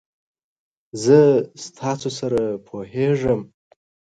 زه ستاسو سره پوهیږم.